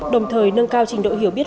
đồng thời nâng cao trình độ hiểu biết